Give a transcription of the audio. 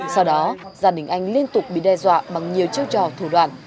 sau đó gia đình anh liên tục bị đe dọa bằng nhiều chiêu trò thủ đoạn